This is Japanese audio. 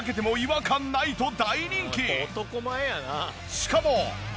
しかも。